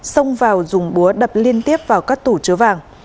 xông vào dùng búa đập liên tiếp vào các tủ chứa vàng